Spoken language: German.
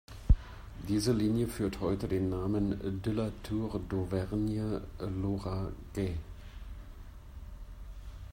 Diese Linie führt heute den Namen "de La Tour d'Auvergne-Lauraguais".